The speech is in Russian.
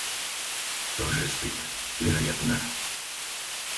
Тоже спит, вероятно.